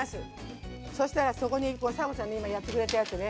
そしたらそこに佐和子ちゃんの今やってくれたやつね。